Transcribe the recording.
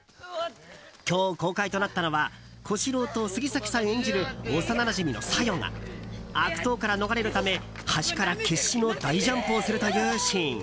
今日、公開となったのは小四郎と杉咲さん演じる幼なじみのさよが悪党から逃れるため橋から決死の大ジャンプをするというシーン。